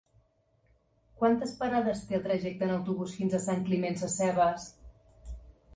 Quantes parades té el trajecte en autobús fins a Sant Climent Sescebes?